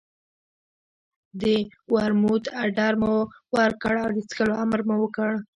د ورموت اډر مو ورکړ او د څښلو امر مو وکړ.